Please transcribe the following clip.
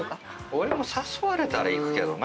俺も誘われたら行くけどな。